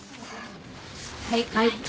はい。